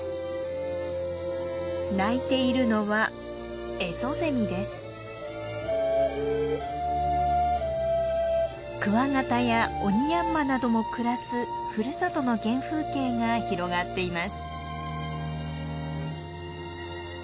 鳴いているのはクワガタやオニヤンマなども暮らすふるさとの原風景が広がっています。